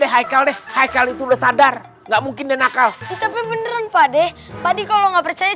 hai kali hai kali itu udah sadar nggak mungkin dan akal kita pimpinan pade padi kalau nggak percaya